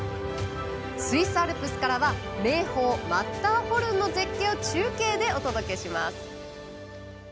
スイスアルプスからは名峰マッターホルンの絶景を中継でお届けします。